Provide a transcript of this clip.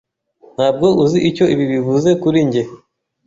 Ntabwo uzi icyo ibi bivuze kuri njye.